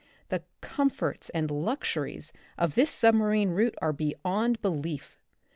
The comforts and luxuries of this sub marine route are beyond belief.